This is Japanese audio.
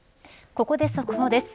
ここで速報です。